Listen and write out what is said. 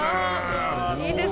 いいですね！